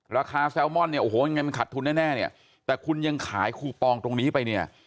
แซลมอนเนี่ยโอ้โหยังไงมันขัดทุนแน่เนี่ยแต่คุณยังขายคูปองตรงนี้ไปเนี่ย